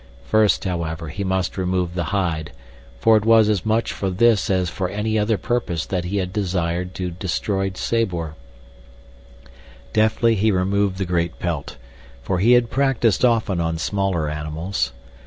First, however, he must remove the hide, for it was as much for this as for any other purpose that he had desired to destroy Sabor. Deftly he removed the great pelt, for he had practiced often on smaller animals.